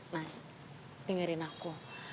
mas dengerin aku